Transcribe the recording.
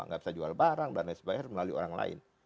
tidak bisa jual barang belan es bayar melalui orang lain